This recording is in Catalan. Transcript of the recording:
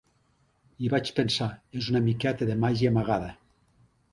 I vaig pensar, és una miqueta de màgia amagada.